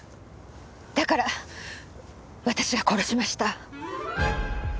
だから私が殺しました。